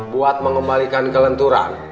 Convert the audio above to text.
buat mengembalikan kelenturan